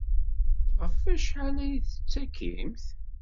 Ɣef wacḥal ay d-tettakimt?